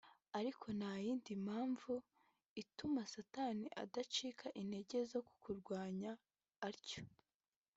Ariko nta yindi mpamvu ituma Satani adacika intege zo kukurwanya atyo